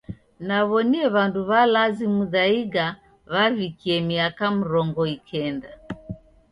Naw'onie w'andu w'alazi Muthaiga w'avikie miaka mrongo ikenda.